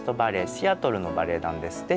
シアトルのバレエ団ですね